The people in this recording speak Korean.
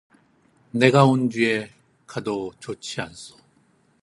내가 온 뒤에 가도 좋지 않소.